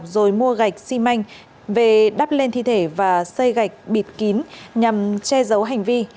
rồi mua gạch xi măng về đắp lên thi thể và xây gạch bịt kín nhằm che giấu hành vi